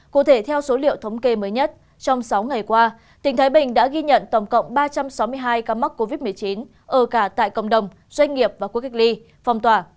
cụ thể theo số liệu thống kê mới nhất trong sáu ngày qua tỉnh thái bình đã ghi nhận tổng cộng ba trăm sáu mươi hai ca mắc covid một mươi chín ở cả tại cộng đồng doanh nghiệp và quốc cách ly phong tỏa